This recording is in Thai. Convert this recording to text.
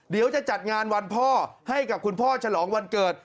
เดี๋ยวจะจัดงานวันพ่อให้กับคุณพ่อฉลองวันเกิด